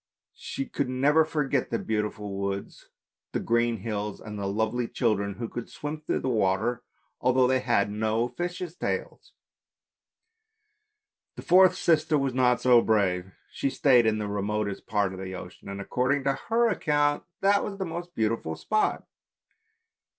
She could never forget the beautiful woods, the green hills and the lovely children who could swim in the water although they had no fishes' tails. The fourth sister was not so brave, she stayed in the remotest part of the ocean, and, according to her account, that was the most beautiful spot.